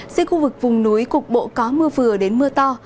riêng khu vực vùng núi cục bộ có mưa vừa đến mưa to